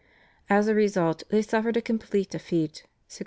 As a result they suffered a complete defeat (1602).